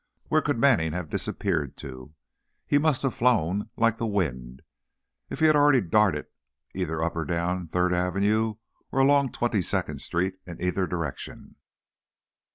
Where could Manning have disappeared to? He must have flown like the wind, if he had already darted either up or down Third Avenue or along Twenty second Street in either direction.